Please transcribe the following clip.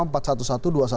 itu masih memuaskan